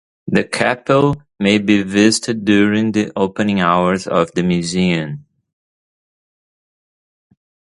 The chapel may be visited during the opening hours of the museum.